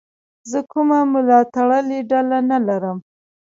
زه کومه ملاتړلې ډله نه لرم.